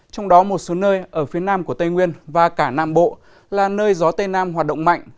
trong đó một số nơi ở phía nam của tây nguyên và cả nam bộ là nơi gió tây nam hoạt động mạnh